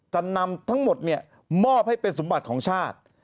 จะนำทั้งหมดมอบให้เป็นสมบัติของชาติ